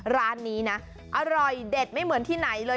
ร้านนี้นะอร่อยเด็ดไม่เหมือนที่ไหนเลย